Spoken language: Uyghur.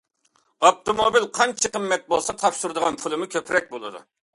ئاپتوموبىل قانچە قىممەت بولسا، تاپشۇرىدىغان پۇلمۇ كۆپرەك بولىدۇ.